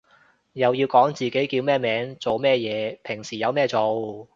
又要講自己叫咩名做咩嘢平時有咩做